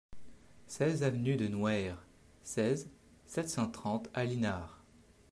seize avenue de la Nouère, seize, sept cent trente à Linars